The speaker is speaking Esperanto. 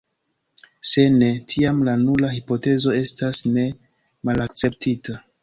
Se ne, tiam la nula hipotezo estas ne malakceptita.